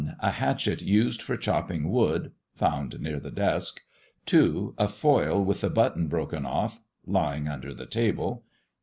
A hatchet used for chopping wood (found near the desk). 2. A foil with the button broken off (lying under the table).